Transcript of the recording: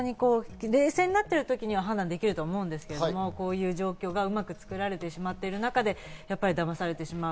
冷静になってるときには判断できると思うんですけど、こういう状況がうまく作られてしまっている中でやっぱりだまされてしまう。